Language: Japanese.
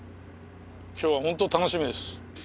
今日は本当楽しみです。